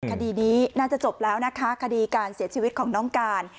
คดีนี้น่าจะจบแล้วนะคะคดีการเสียชีวิตของน้องการ